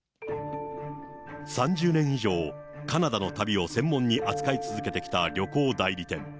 ３０年以上、カナダの旅を専門に扱い続けてきた旅行代理店。